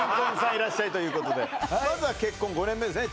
いらっしゃいということでまずは結婚５年目ですね